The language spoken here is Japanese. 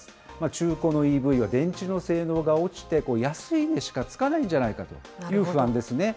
中古のＥＶは電池の性能が落ちて、安い値しかつかないんじゃないかという、これも不安ですね。